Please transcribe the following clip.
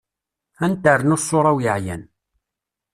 Ad n-ternu ṣṣura-w yeεyan.